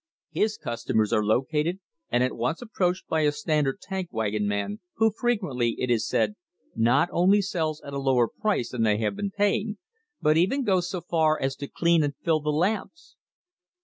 His customers are located and at once approached by a Standard tank wagon man, who fre quently, it is said, not only sells at a lower price than they have been paying, but even goes so far as to clean and fill the lamps!